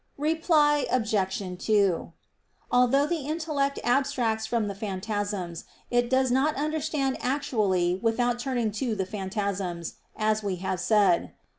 Reply Obj. 2: Although the intellect abstracts from the phantasms, it does not understand actually without turning to the phantasms, as we have said (A.